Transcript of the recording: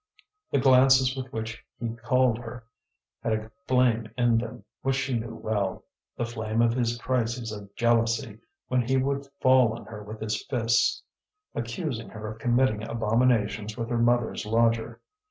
The glances with which he called her had a flame in them which she knew well, the flame of his crises of jealousy when he would fall on her with his fists, accusing her of committing abominations with her mother's lodger.